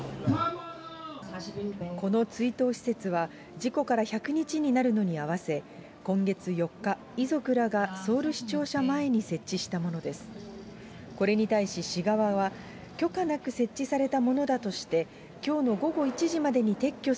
この追悼施設は、事故から１００日になるのに合わせ、今月４日、遺族らがソウル市庁舎前に設置したものです。